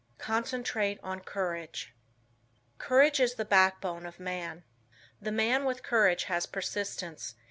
CONCENTRATE ON COURAGE Courage is the backbone of man. The man with courage has persistence.